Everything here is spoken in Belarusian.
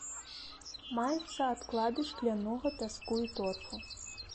Маюцца адклады шклянога пяску і торфу.